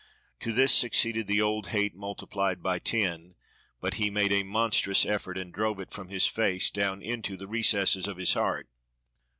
To this succeeded the old hate multiplied by ten; but he made a monstrous effort and drove it from his face down into the recesses of his heart.